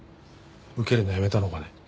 受けるのやめたのかね？